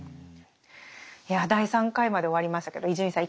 いや第３回まで終わりましたけど伊集院さん